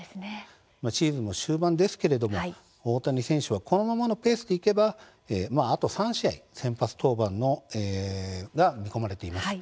シーズンも終盤ですけれども大谷選手はこのままのペースでいけばあと３試合先発登板が見込まれています。